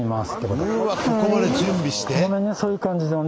ここまで準備して？